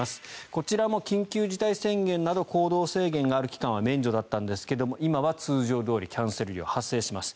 こちらも緊急事態宣言など行動制限がある期間は免除でしたが今は通常どおりキャンセル料が発生します。